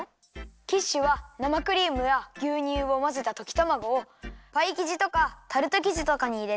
キッシュはなまクリームやぎゅうにゅうをまぜたときたまごをパイきじとかタルトきじとかにいれてやくりょうりだよ。